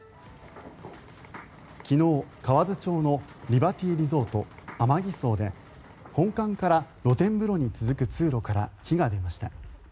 昨日、河津町のリバティリゾートＡＭＡＧＩＳＯで本館から露天風呂に続く通路から火が出ました。